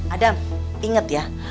adam inget ya